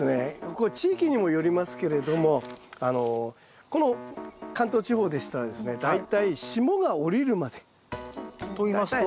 ここ地域にもよりますけれどもこの関東地方でしたらですね大体といいますと？